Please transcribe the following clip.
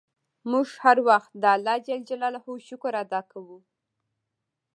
موږ هر وخت د اللهﷻ شکر ادا کوو.